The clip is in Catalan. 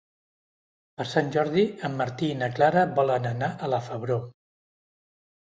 Per Sant Jordi en Martí i na Clara volen anar a la Febró.